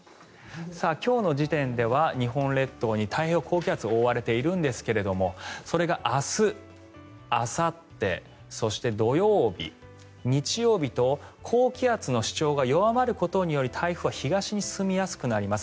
今日の時点では日本列島は太平洋高気圧に覆われているんですがそれが明日、あさってそして土曜日、日曜日と高気圧の主張が弱まることにより台風は東に進みやすくなります。